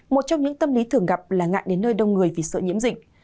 một trong những tâm lý thường gặp là ngại đến nơi đông người vì sợ nhiễm dịch